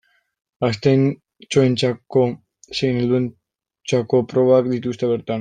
Gaztetxoentzako zein helduentzako probak dituzte bertan.